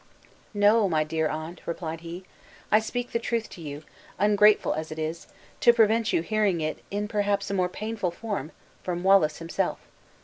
"No, my dear aunt," replied he; "I speak the truth to you, ungrateful as it is, to prevent you hearing it in perhaps a more painful form from Wallace himself."